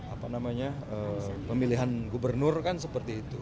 apa namanya pemilihan gubernur kan seperti itu